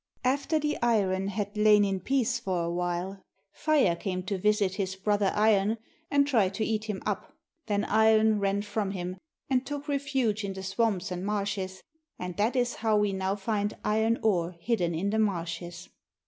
After the iron had lain in peace for a while, Fire came to visit his brother Iron and tried to eat him up. Then Iron ran from him and took refuge in the swamps and marshes, and that is how we now find iron ore hidden in the marshes.